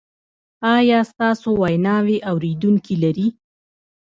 ایا ستاسو ویناوې اوریدونکي لري؟